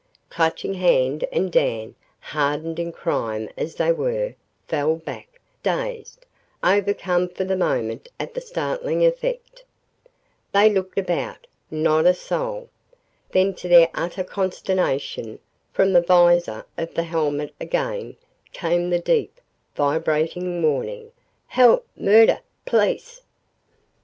Clutching Hand and Dan, hardened in crime as they were, fell back, dazed, overcome for the moment at the startling effect. They looked about. Not a soul. Then to their utter consternation, from the vizor of the helmet again came the deep, vibrating warning. "Help! Murder! Police!" ...